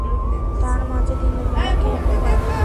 তারমাঝে দিনের বেলা কে ঘুমায়?